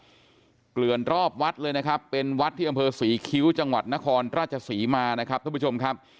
เปลือกเกลื่อนรอบวัดเลยนะครับเป็นวัดที่อำเภอสี่คิ้วจังหวัดนครรจสีมา